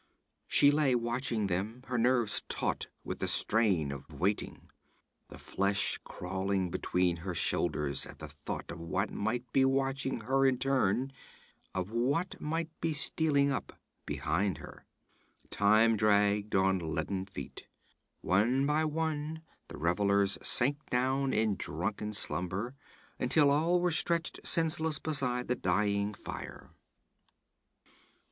She lay watching them, her nerves taut with the strain of waiting, the flesh crawling between her shoulders at the thought of what might be watching her in turn of what might be stealing up behind her. Time dragged on leaden feet. One by one the revellers sank down in drunken slumber, until all were stretched senseless beside the dying fire.